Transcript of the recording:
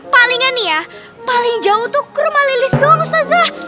palingan nih ya paling jauh tuh ke rumah lilis tuh mustazah